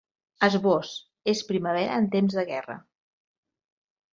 Esbós: És primavera en temps de guerra.